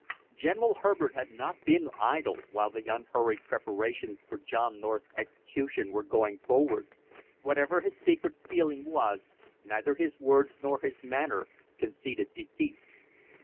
General Herbert had not been idle while the unhurried preparations for John North's execution were going forward; whatever his secret feeling was, neither his words nor his manner conceded defeat.